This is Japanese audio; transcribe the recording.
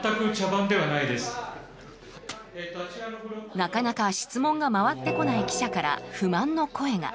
なかなか質問が回ってこない記者から不満の声が。